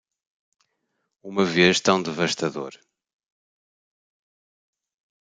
Uma vez tão devastador